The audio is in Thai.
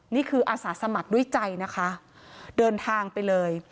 นี่คืออาสาสมัครด้วยใจนะคะเดินทางไปเลย